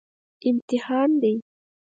امتحان دی